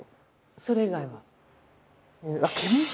それ以外は？